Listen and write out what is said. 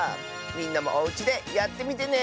みんなもおうちでやってみてね。